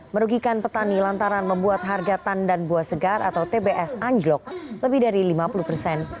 merugikan petani lantaran membuat harga tandan buah segar atau tbs anjlok lebih dari lima puluh persen